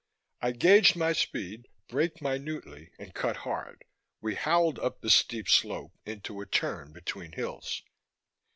I gauged my speed, braked minutely, and cut hard. We howled up the steep slope, into a turn between hills.